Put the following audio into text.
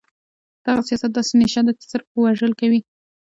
دغه سياست داسې نيشه ده چې صرف وژل کوي.